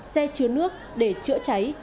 xe chứa nước để chữa cháy